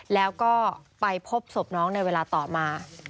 แล้วก็ไปพบศพน้องในเวลาต่อมา